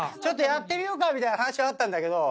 やってみようかみたいな話はあったんだけどあれでしょ。